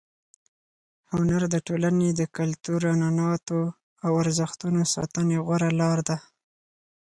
هنر د ټولنې د کلتور، عنعناتو او ارزښتونو د ساتنې غوره لار ده.